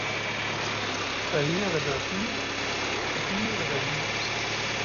Ahi a gada api, api agada ahi lay.